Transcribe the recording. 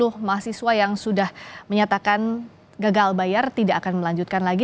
seluruh mahasiswa yang sudah menyatakan gagal bayar tidak akan melanjutkan lagi